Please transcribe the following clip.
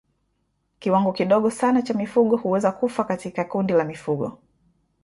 Kiwango kidogo sana cha mifugo huweza kufa katika kundi la mifugo